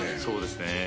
そうですね。